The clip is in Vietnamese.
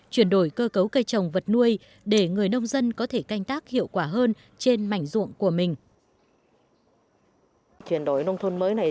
chuyển đổi cơ cấu cây trồng vật nuôi để người nông dân có thể canh tác hiệu quả hơn trên mảnh ruộng của mình